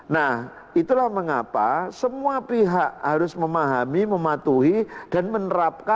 nah itulah mengapa semua pihak harus memahami mematuhi memiliki hak pilih